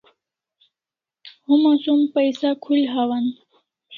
Homa som paisa khul hawan